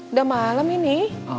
udah malem ini